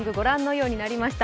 ようになりました。